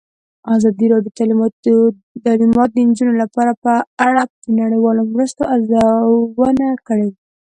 ازادي راډیو د تعلیمات د نجونو لپاره په اړه د نړیوالو مرستو ارزونه کړې.